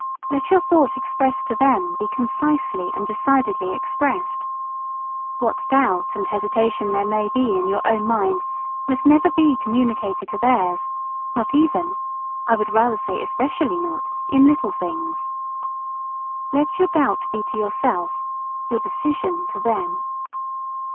Let your thought expressed to them be concisely and decidedly expressed. What doubt and hesitation there may be in your own mind must never be communicated to theirs, not even (I would rather say especially not) in little things. Let your doubt be to yourself, your decision to them.